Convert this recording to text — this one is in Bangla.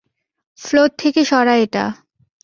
ফ্লোর থেকে সরা এটা।